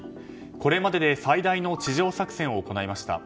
これまでで最大の地上作戦を行いました。